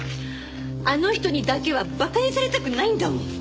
あの人にだけは馬鹿にされたくないんだもん！